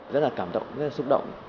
rất là cảm động rất là xúc động